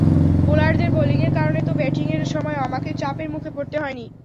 বোলারদের বোলিংয়ের কারণেই তো ব্যাটিংয়ের সময় আমাকে চাপের মুখে পড়তে হয়নি।